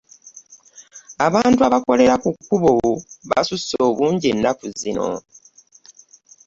Abantu abakolera ku kubo basuse obungi ennaku zino.